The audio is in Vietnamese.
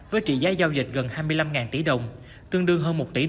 với trị giá giao dịch gần hai mươi năm tỷ đồng